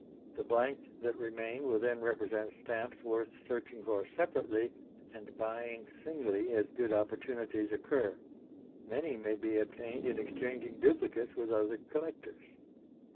The blanks that remain will then represent stamps worth searching for separately, and buying singly as good opportunities occur. Many may be obtained in exchanging duplicates with other collectors.